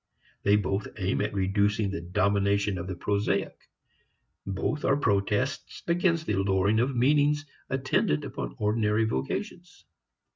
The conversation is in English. They both aim at reducing the domination of the prosaic; both are protests against the lowering of meanings attendant upon ordinary vocations.